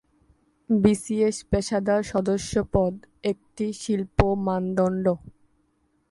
BCS পেশাদার সদস্যপদ একটি শিল্প মানদণ্ড।